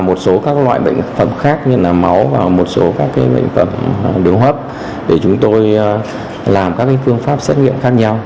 chúng tôi có thể lấy các bệnh phẩm khác như là máu và một số các bệnh phẩm đường hấp để chúng tôi làm các phương pháp xét nghiệm khác nhau